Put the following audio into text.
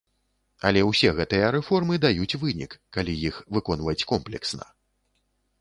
Але ўсе гэтыя рэформы даюць вынік, калі іх выконваць комплексна.